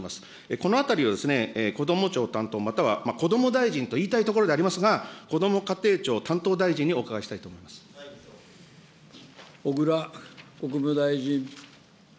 このあたりをこども庁担当、またはこども大臣といいたいところでありますが、こども家庭庁担当大小倉国務大臣。